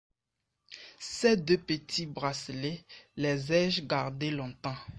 Ces deux petits bracelets, les ai-je gardés longtemps !